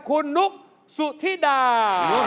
คุณนุ๊กสุธิดา